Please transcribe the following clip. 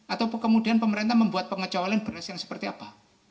atau kemudian pemerintah membuat pengecualian beras yang seperti apa